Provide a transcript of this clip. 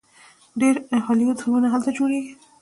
ډیر هالیوډ فلمونه هلته جوړیږي.